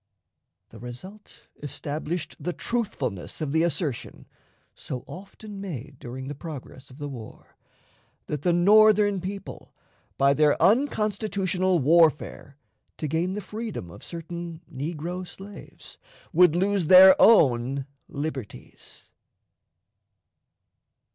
The result established the truthfulness of the assertion, so often made during the progress of the war, that the Northern people, by their unconstitutional warfare to gain the freedom of certain negro slaves, would lose their own liberties.